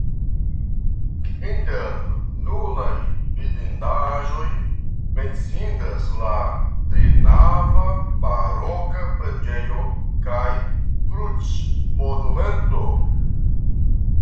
Inter nunaj vidindaĵoj menciindas la trinava baroka preĝejo kaj krucmonumento.